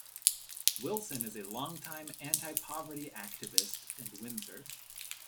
Wilson is a longtime anti-poverty activist in Windsor.